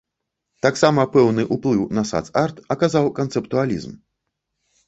Таксама пэўны ўплыў на сац-арт аказаў канцэптуалізм.